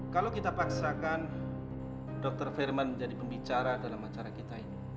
kalau kita paksakan dr firman menjadi pembicara dalam acara kita ini